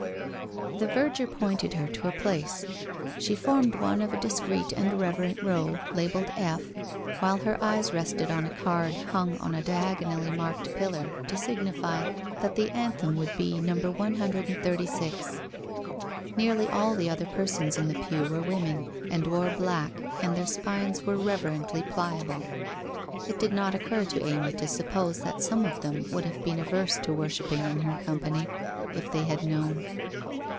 The verger pointed her to a place. She formed one of a discreet and reverent row, labelled F, while her eyes rested on a card hung on a diagonally marked pillar to signify that the Anthem would be No. 136. Nearly all the other persons in the pew were women, and wore black, and their spines were reverently pliable. It did not occur to Amy to suppose that some of them would have been averse to worshipping in her company, if they had known?